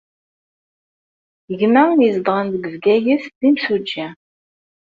Gma izedɣen deg Bgayet d imsujji.